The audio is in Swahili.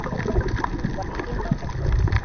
Walimu wamerudi.